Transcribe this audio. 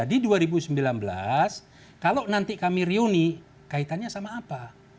di dua ribu sembilan belas kalau nanti kami reuni kaitannya sama apa